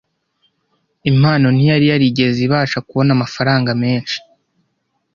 Impano ntiyari yarigeze ibasha kubona amafaranga menshi.